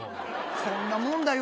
そんなもんだよ。